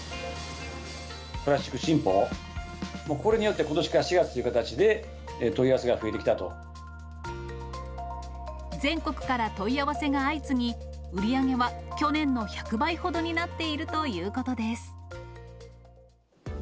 プラスチック新法、これによってことし４月からという形で、問い合わせが増えてきた全国から問い合わせが相次ぎ、売り上げは去年の１００倍ほどになっているということです。